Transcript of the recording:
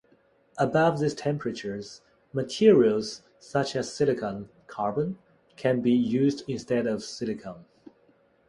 Above these temperatures, materials such as silicon carbide can be used instead of silicon.